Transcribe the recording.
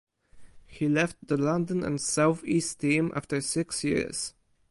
He left the London and South East Team after six years.